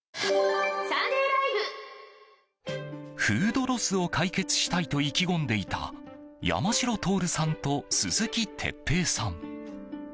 フードロスを解決したいと意気込んでいた山代徹さんと鈴木鉄平さん。